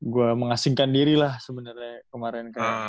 gue mengasingkan diri lah sebenernya kemaren